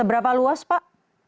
berapa luas pak